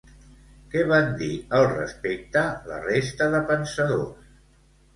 Què van dir al respecte, la resta de pensadors?